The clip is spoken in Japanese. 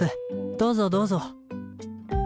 どうぞどうぞ。